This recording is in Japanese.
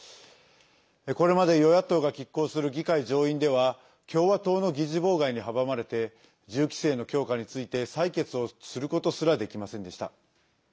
これまで与野党がきっ抗する議会上院では共和党の議事妨害に阻まれて銃規制の強化について採決をすることすらできませんでした。